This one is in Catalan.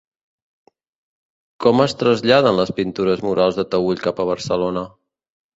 Com es traslladaren les pintures murals de Taüll cap a Barcelona?